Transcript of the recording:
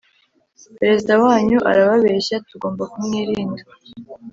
Perezida wanyu arababeshya tugomba kumwilinda.